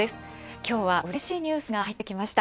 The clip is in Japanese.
今日はうれしいニュースがはいってきました。